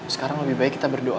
sekarang lebih baik kita berdoa